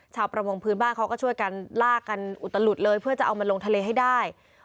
ประมงพื้นบ้านเขาก็ช่วยกันลากกันอุตลุดเลยเพื่อจะเอามาลงทะเลให้ได้